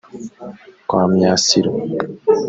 Kwa Myasiro